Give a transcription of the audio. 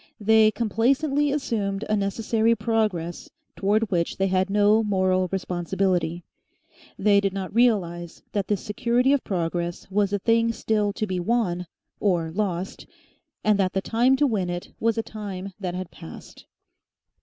They complacently assumed a necessary progress towards which they had no moral responsibility. They did not realise that this security of progress was a thing still to be won or lost, and that the time to win it was a time that passed.